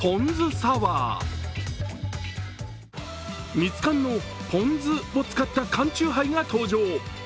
ミツカンのポン酢を使った缶チューハイが登場。